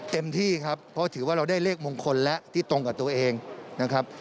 เต็มที่ครับเพราะถือว่าเราได้เลขมงคลและที่ตรงกับตัวเองนะครับ